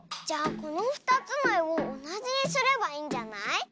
じゃあこのふたつのえをおなじにすればいいんじゃない？